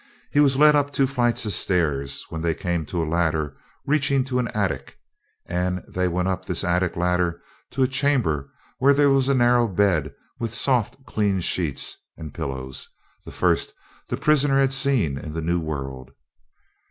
He was led up two flights of stairs, when they came to a ladder reaching to an attic, and they went up this attic ladder to a chamber, where there was a narrow bed, with soft, clean sheets and pillows, the first the prisoner had seen in the New World.